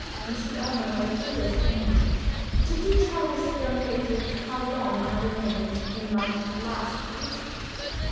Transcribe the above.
Mrs. Ellmother appealed to Emily. "Did you tell this young lady how long I remained in my last place?"